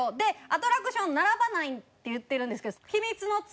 アトラクション並ばないって言ってるんですけど。